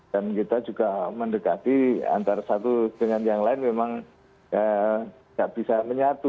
dan kita juga mendekati antara satu dengan yang lain memang tidak bisa menyatu